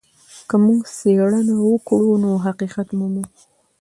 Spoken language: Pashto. که موږ څېړنه وکړو نو حقيقت مومو.